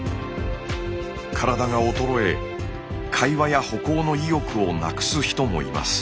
体が衰え会話や歩行の意欲をなくす人もいます。